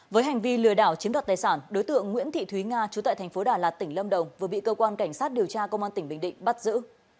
với hành vi lừa đảo chiếm đoạt tài sản đối tượng nguyễn thị thúy nga trú tại thành phố đà lạt tỉnh lâm đồng vừa bị cơ quan cảnh sát điều tra công an tỉnh bình định bắt giữ